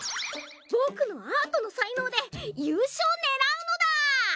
僕のアートの才能で優勝狙うのだ！